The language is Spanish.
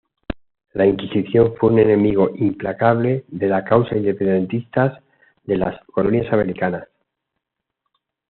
La Inquisición fue un enemigo implacable de la causa independentista de las colonias americanas.